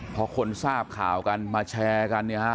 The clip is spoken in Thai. พอคนทราบข่าวกันมาแชร์กันเนี่ยฮะ